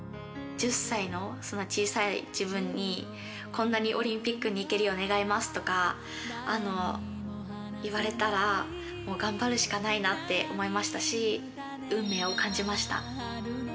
１０歳のそんな小さい自分に、こんなにオリンピックにいけるよう願いますとか言われたら、もう頑張るしかないなって思いましたし、運命を感じました。